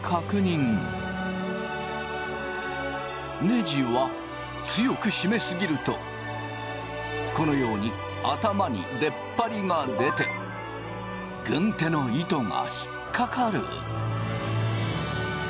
ネジは強く締め過ぎるとこのように頭にでっぱりが出て軍手の糸が引っ掛かる。